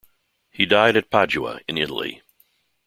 He died at Padua in Italy.